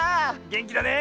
げんきだね！